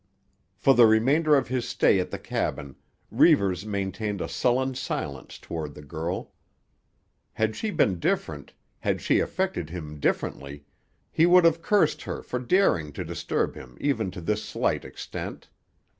For the remainder of his stay at the cabin, Reivers maintained a sullen silence toward the girl. Had she been different, had she affected him differently, he would have cursed her for daring to disturb him even to this slight extent.